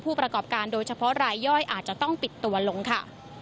ประกอบการโดยเฉพาะรายย่อยอาจจะต้องปิดตัวลงค่ะ